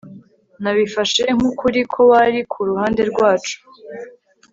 Nabifashe nkukuri ko wari ku ruhande rwacu